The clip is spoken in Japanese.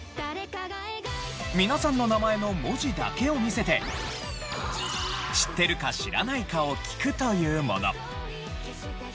皆さんの名前の文字だけを見せて知ってるか知らないかを聞くというもの。